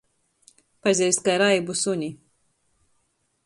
Pazeist kai raibu suni.